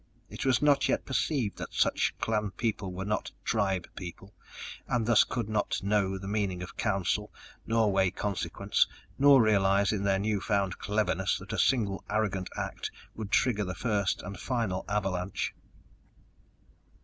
It was not yet perceived that such clan people were not Tribe People, and thus could not know the meaning of Council, nor weigh consequence, nor realize in their new found cleverness that a single arrogant act would trigger the first and final avalanche....